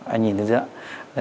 anh nhìn thấy chưa